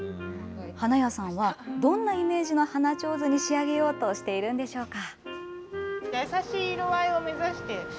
花屋さんはどんなイメージの花ちょうずに仕上げようとしているんでしょうか。